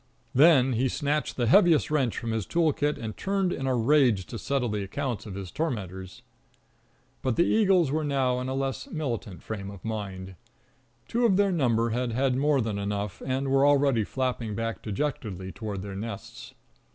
Then he snatched the heaviest wrench from his tool kit and turned in a rage to settle accounts with his tormentors. But the eagles were now in a less militant frame of mind. Two of their number had had more than enough, and were already flapping back dejectedly toward their nests.